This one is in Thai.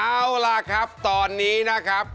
เอาล่ะครับตอนนี้นะครับ